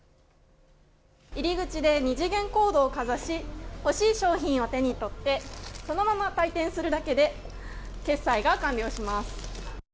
入り口で二次元コードをかざし欲しい商品を手に取ってそのまま退店するだけで決済が完了します。